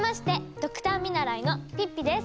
ドクター見習いのピッピです！